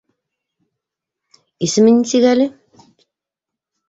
Исеме нисек әле?